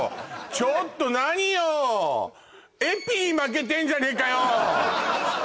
ちょっと何よエピに負けてんじゃねえかよ